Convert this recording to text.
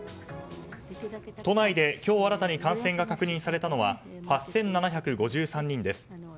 都内で今日新たに感染が確認されたのは８７５３人です。